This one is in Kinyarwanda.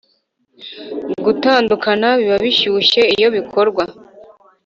gutandukana biba bishyushye iyo bikorwa